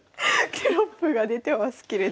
テロップが出てますけれども。